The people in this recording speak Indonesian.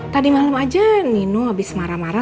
tadi malam aja nino habis marah marah